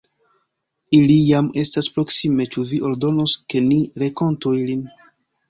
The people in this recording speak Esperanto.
Ili jam estas proksime, ĉu vi ordonos, ke ni renkontu ilin?